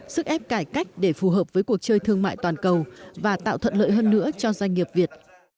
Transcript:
sức ép cải cách để phù hợp với cuộc chơi thương mại toàn cầu và tạo thuận lợi hơn nữa cho doanh nghiệp việt